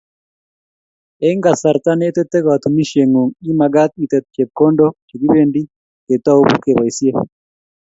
Eng kasarta ne tete katunisyeng'ung', imagaat itet chepkondook chekibendi ketou keboisye.